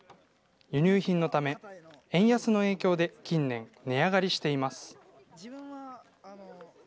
輸入品のため、円安の影響で近年、値上がりしています。